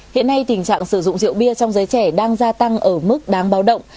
hiện nay tình trạng sử dụng rượu bia trong giới trẻ đang gia tăng ở mức đáng báo động